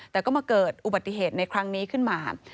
แต่ก็มาเกิดอุบัติเหตุในครั้งนี้ขึ้นมา